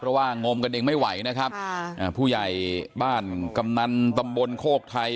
เพราะว่างมกันเองไม่ไหวนะครับค่ะอ่าผู้ใหญ่บ้านกำนันตำบลโคกไทย